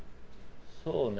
そうね。